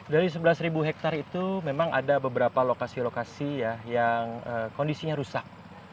dari sebelas hektare itu memang ada beberapa lokasi lokasi yang kondisinya rusak